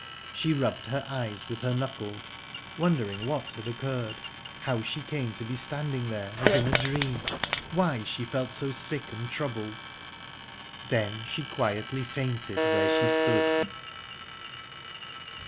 She rubbed her eyes with her knuckles, wondering what had occurred, how she came to be standing there, as in a dream, why she felt so sick and troubled?... Then she quietly fainted where she stood.